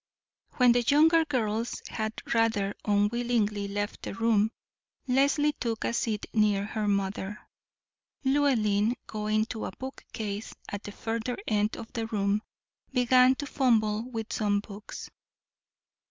When the younger girls had rather unwillingly left the room, Leslie took a seat near her mother. Llewellyn, going to a bookcase at the further end of the room, began to fumble with some books.